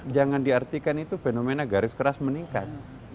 jangan diartikan itu fenomena garis keras meningkat